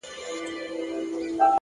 هره ورځ د نوي اثر پرېښودلو چانس لري.!